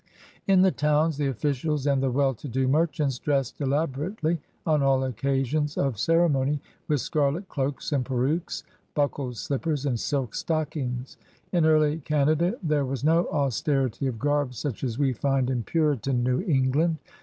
Li the towtis the officials and the well to do mer chants dressed elaborately on all occasions of ceremony, with scarlet cloaks and perukes, buckled slippers and silk stockings. Li early Canada there was no austerity of garb such as we find in Puritan New England.